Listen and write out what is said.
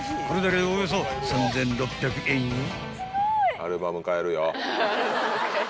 ［これだけでおよそ３，６００円よ］